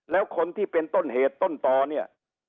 แล้วคนที่เป็นต้นเหตุต้นต่อเนี่ย